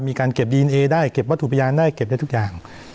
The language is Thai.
มีการเก็บดีเอนเอได้เก็บวัตถุพยานได้เก็บได้ทุกอย่าง